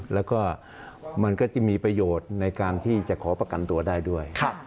แล้วก็มันก็จะมีประโยชน์ในการที่จะขอประกันตัวได้ด้วย